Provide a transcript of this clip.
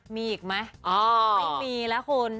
มีอีกไหมไม่มีแล้วคุณ